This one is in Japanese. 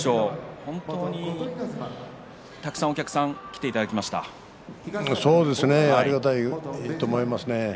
本当にたくさんお客さんにありがたいと思いますね。